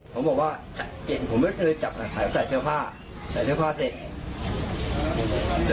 เขาบอกว่าเกล็ดผมไม่ได้จับหายใส่เทือผ้าใส่เทือผ้าเสร็จ